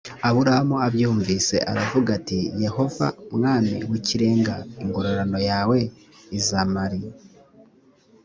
aburamu abyumvise aravuga ati yehova mwami w ikirenga ingororano yawe izamari